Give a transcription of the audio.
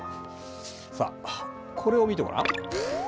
さあこれを見てごらん。